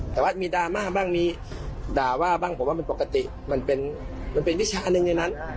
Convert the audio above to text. แต่ว่ามีดราม่าบ้างมีด่าว่าบ้างผมว่ามันปกติมันเป็นวิชาหนึ่งในนั้น